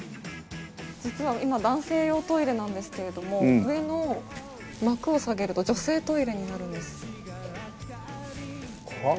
実は今男性用トイレなんですけれども上の幕を下げると女性トイレになるんです。はあ？